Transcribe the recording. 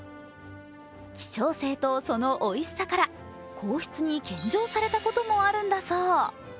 希少性とそのおいしさから皇室に献上されたこともあるんだそう。